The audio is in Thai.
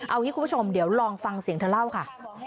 เอางี้คุณผู้ชมเดี๋ยวลองฟังเสียงเธอเล่าค่ะ